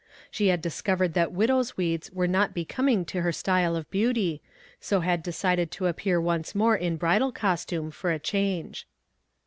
She had discovered that widow's weeds were not becoming to her style of beauty, so had decided to appear once more in bridal costume, for a change.